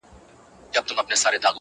زما مور، دنيا هېره ده،